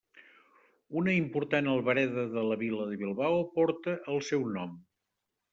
Una important albereda de la Vila de Bilbao porta el seu nom.